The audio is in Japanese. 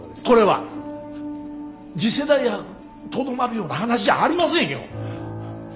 これは次世代博にとどまるような話じゃありませんよ！